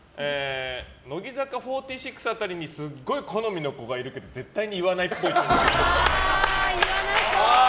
乃木坂４６辺りにすごい好みの子がいるけど言わなそう！